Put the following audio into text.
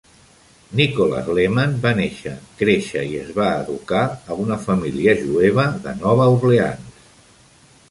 Nicholas Lemann va néixer, créixer i es va educar a una família jueva de Nova Orleans.